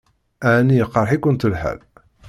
Ɛni iqṛeḥ-ikent lḥal?